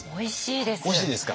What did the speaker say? おいしいです。